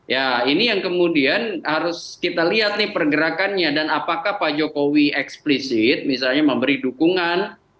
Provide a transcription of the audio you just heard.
ya ini yang kemudian harus kita lihat nih pergerakannya dan apakah pak jokowi eksplisit misalnya memberi dukungan